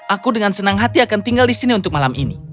aku dengan senang hati akan tinggal di sini untuk malam ini